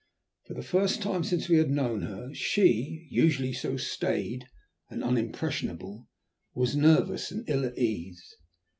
For the first time since we had known her she, usually so staid and unimpressionable, was nervous and ill at ease.